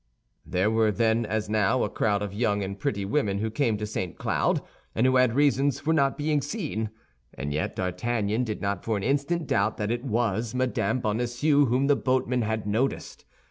There were then, as now, a crowd of young and pretty women who came to St. Cloud, and who had reasons for not being seen, and yet D'Artagnan did not for an instant doubt that it was Mme. Bonacieux whom the boatman had noticed.